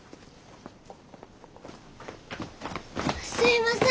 すいません。